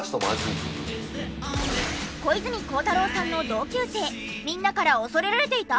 小泉孝太郎さんの同級生みんなから恐れられていた！？